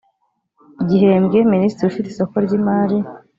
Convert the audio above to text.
igihembwe minisitiri ufite isoko ry imari